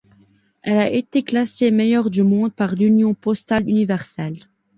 Elle a été classée meilleure du monde par l'Union postale universelle.